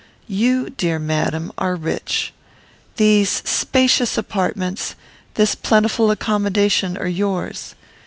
You, dear madam, are rich. These spacious apartments, this plentiful accommodation, are yours.